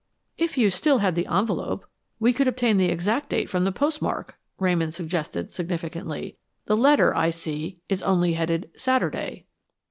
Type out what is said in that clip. "If you still had the envelope, we could obtain the exact date from the postmark," Ramon suggested significantly. "The letter I see is only headed 'Saturday.'"